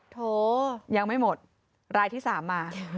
โถยังไม่หมดรายที่๓มา